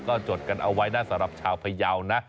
ก็จดกันเอาไว้นะสำหรับชาวพยาวนะ